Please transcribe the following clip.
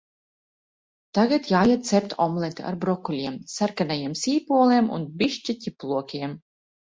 Tagad jāiet cept omlete ar brokoļiem, sarkanajiem sīpoliem un bišķi ķiplokiem.